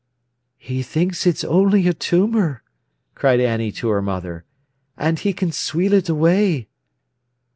"He thinks it's only a tumour!" cried Annie to her mother. "And he can sweal it away."